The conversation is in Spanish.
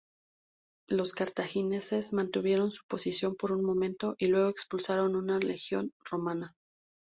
Los cartagineses mantuvieron su posición por un momento, y luego expulsaron una legión romana.